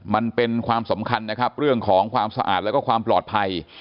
มันเป็นความสำคัญนะครับเรื่องของความสะอาดแล้วก็ความปลอดภัย